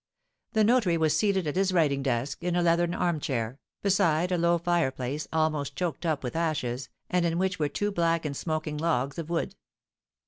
The notary was seated at his writing desk, in a leathern armchair, beside a low fireplace, almost choked up with ashes, and in which were two black and smoking logs of wood.